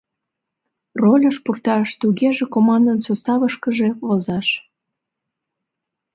Рольыш пурташ — тугеже командын составышкыже возаш.